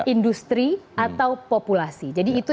industri atau populasi